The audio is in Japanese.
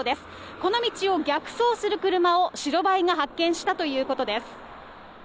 この道を逆走する車を白バイが発見したということです。